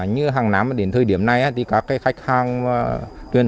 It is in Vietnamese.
như hàng năm đến thời điểm này thì các khách hàng truyền